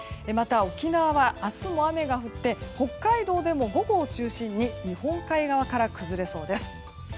また沖縄は明日も雨が降って北海道でも午後を中心に日本海側から崩れそうです。